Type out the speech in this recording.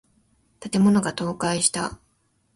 建物が倒壊した。